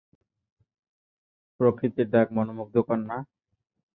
প্রকৃতির ডাক মনোমুগ্ধকর না?